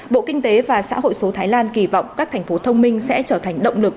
bộ kinh tế và xã hội số thái lan kỳ vọng các thành phố thông minh sẽ trở thành động lực